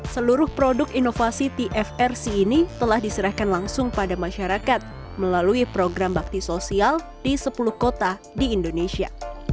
seluruh produk inovasi tfrc ini telah diserahkan langsung pada masyarakat melalui program bakti sosial di sepuluh kota di indonesia